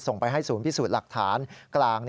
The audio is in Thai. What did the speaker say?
ไปให้ศูนย์พิสูจน์หลักฐานกลาง